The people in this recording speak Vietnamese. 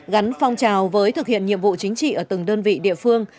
gắn phong trào với thực hiện nhiệm vụ chính trị ở từng đơn vị địa phương